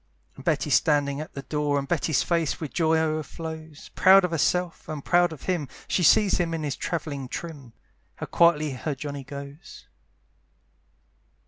And Betty's standing at the door, And Betty's face with joy o'erflows, Proud of herself, and proud of him, She sees him in his travelling trim; How quietly her Johnny goes.